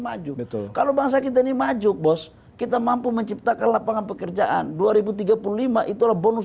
maju betul kalau bangsa kita ini maju bos kita mampu menciptakan lapangan pekerjaan dua ribu tiga puluh lima itu adalah bonus